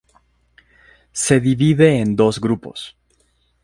Se divide en dos grupos.